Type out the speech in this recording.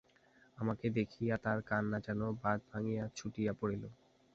আমাকে দেখিয়া তার কান্না যেন বাঁধ ভাঙিয়া ছুটিয়া পড়িল।